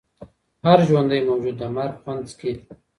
هر ژوندی موجود د مرګ خوند څکي.